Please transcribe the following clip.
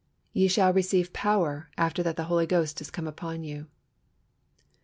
"Ye shall receive power after that the Holy Ghost is come upon you."